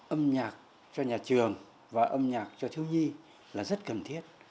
âm nhạc cho nhà trường và âm nhạc cho thiếu nhi là rất cần thiết